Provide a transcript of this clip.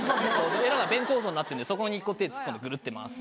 エラが弁構造になってるんでそこに手突っ込んでグルって回す。